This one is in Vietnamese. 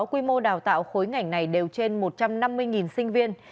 quy mô đào tạo khối ngành này đều trên một trăm năm mươi sinh viên